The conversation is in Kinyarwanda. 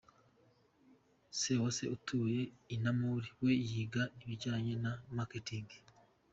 Sewase atuye i Namur we yiga ibijyanye na Marketing.